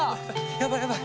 やばいやばい。